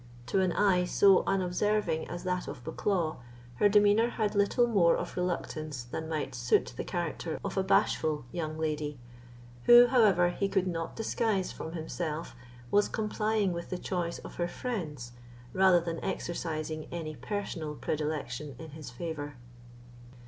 To an eye so unobserving as that of Bucklaw, her demeanour had little more of reluctance than might suit the character of a bashful young lady, who, however, he could not disguise from himself, was complying with the choice of her friends rather than exercising any personal predilection in his favour.